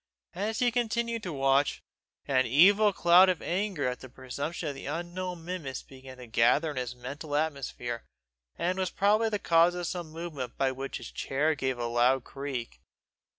As he continued to watch, an evil cloud of anger at the presumption of the unknown minimus began to gather in his mental atmosphere, and was probably the cause of some movement by which his chair gave a loud creak.